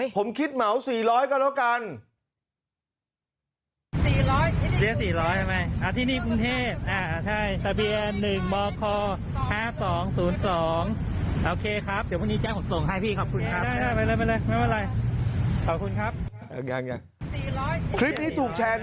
ผมคิดเหมา๔๐๐ก็แล้วกัน